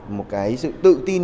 một cái sự tự tin